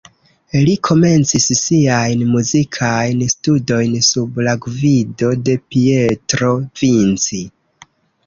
Li komencis siajn muzikajn studojn sub la gvido de Pietro Vinci.